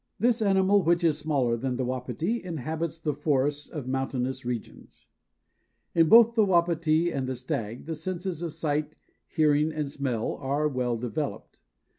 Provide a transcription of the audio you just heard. This animal, which is smaller than the Wapiti, inhabits the forests of mountainous regions. In both the Wapiti and the stag the senses of sight, hearing and smell are well developed.